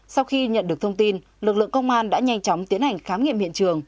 sau khi nhận được thông tin lực lượng công an đã nhanh chóng tiến hành khám nghiệm hiện trường